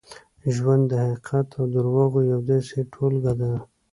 ژوند د حقیقت او درواغو یوه داسې ټولګه ده.